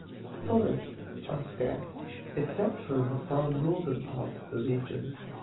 Forests are scarce except for in the far northern part of the region.